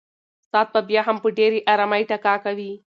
ساعت به بیا هم په ډېرې ارامۍ ټکا کوي.